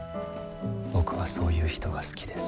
僕はそういう人が好きです。